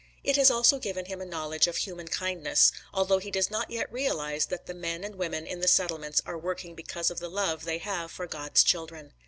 It has also given him a knowledge of human kindness, although he does not yet realize that the men and women in the settlements are working because of the love they have for God's children.